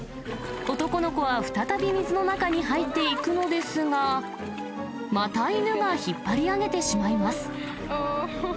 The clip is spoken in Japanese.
男の子は再び水の中に入っていくのですが、また犬が引っ張り上げてしまいます。